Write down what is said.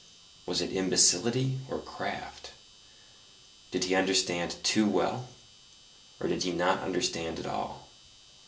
was it imbecility or craft? Did he understand too well, or did he not understand at all?